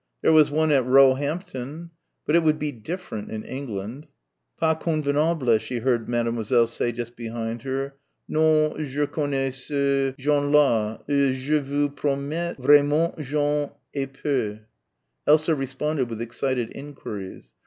There was one at Roehampton. But it would be different in England. "Pas convenable," she heard Mademoiselle say just behind her, "non, je connais ces gens là, je vous promets ... vraiment j'en ai peur...." Elsa responded with excited enquiries.